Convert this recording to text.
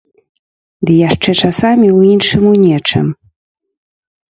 Ды яшчэ часамі ў іншым у нечым.